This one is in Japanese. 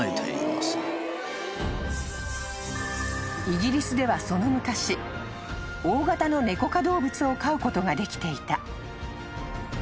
［イギリスではその昔大型のネコ科動物を飼うことができていた］